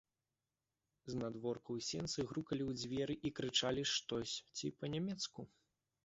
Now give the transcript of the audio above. Знадворку ў сенцы грукалі ў дзверы і крычалі штосьці па-нямецку.